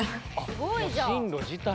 すごいじゃん。